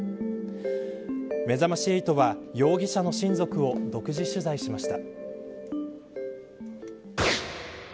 めざまし８は容疑者の親族を独自取材しました。